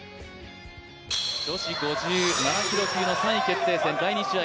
女子５７キロ級の３位決定戦、第２試合。